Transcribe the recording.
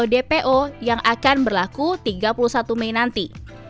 dpo yang akan berlaku tiga puluh satu mei nanti